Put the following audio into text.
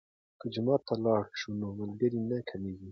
که جومات ته لاړ شو نو ملګري نه کمیږي.